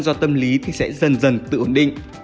do tâm lý thì sẽ dần dần tự ổn định